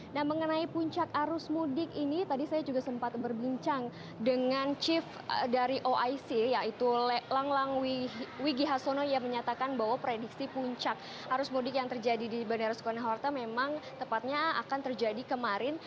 nah mengenai puncak arus mudik ini tadi saya juga sempat berbincang dengan chief dari oic yaitu langlang wigi hasono yang menyatakan bahwa prediksi puncak arus mudik yang terjadi di bandara soekarno hatta memang tepatnya akan terjadi kemarin